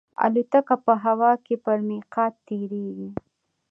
الوتکه په هوا کې پر میقات تېرېږي.